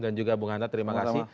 dan juga bung hanta terima kasih